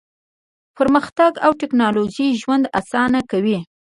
پرمختګ او ټیکنالوژي ژوند اسانه کوي.